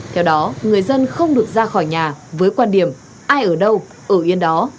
theo đó người dân không được ra khỏi nhà với quan điểm ai ở đâu ở yên đó